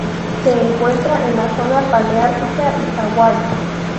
Se encuentra en la zona paleártica y Hawaii.